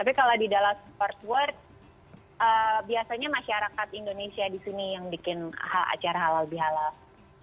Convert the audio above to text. tapi kalau di dala sports word biasanya masyarakat indonesia di sini yang bikin acara halal bihalal